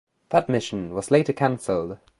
That mission was later canceled.